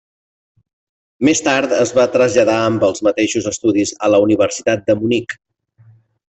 Més tard es va traslladar amb els mateixos estudis a la Universitat de Munic.